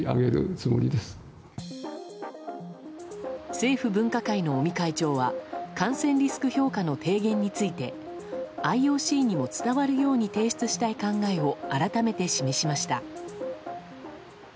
政府分科会の尾身会長は感染リスク評価の提言についてＩＯＣにも伝わるように提出したい考えを改めて示しました。